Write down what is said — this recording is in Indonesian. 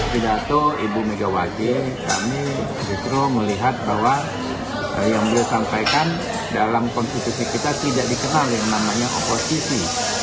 pidato ibu megawati kami justru melihat bahwa yang beliau sampaikan dalam konstitusi kita tidak dikenal yang namanya oposisi